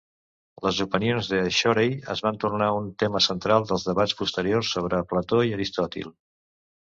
Les opinions de Shorey es van tornar un tema central dels debats posteriors sobre Plató i Aristòtil.